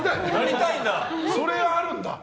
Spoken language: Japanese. それは、あるんだ。